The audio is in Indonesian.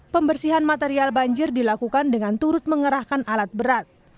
pembersihan material banjir dilakukan dengan turut mengerahkan alat berat